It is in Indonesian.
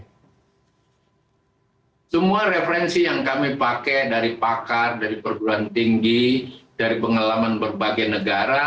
semua referensi yang kami pakai dari pakar dari perguruan tinggi dari pengalaman berbagai negara